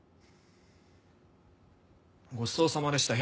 ごちそうさまでした。